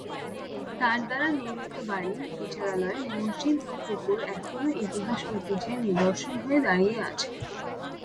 তার দ্বারা নির্মিত বাড়ি, বিচারালয়, মসজিদ ও পুকুর এখনও ইতিহাস ঐতিহ্যের নিদর্শন হয়ে দাঁড়িয়ে আছে।